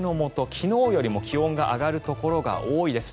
昨日よりも気温が上がるところが多いです。